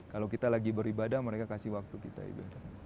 kalau kita lagi beribadah mereka kasih waktu kita ibadah